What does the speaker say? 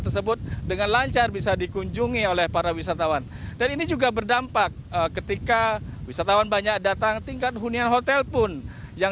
tersebut dengan lancar bisa dikunjungi oleh para wisatawan dan ini juga berdampak ketika wisatawan